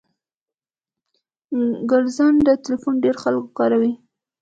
ګرځنده ټلیفون ډیر خلګ کاروي